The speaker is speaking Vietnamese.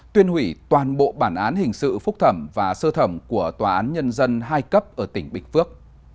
tuyên hủy toàn bộ bản án hình sự phúc thẩm và sơ thẩm của tòa án nhân dân hai cấp ở tỉnh bình phước